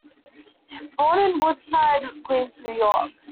Born in Woodside, Queens, New York.